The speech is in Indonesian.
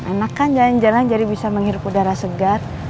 enak kan jalan jalan jadi bisa menghirup udara segar